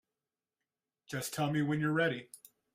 Just tell me when you're ready.